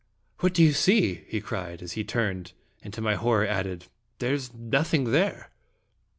"What do you see?" he cried, as he turned, and to my horror added, " there is nothing here!"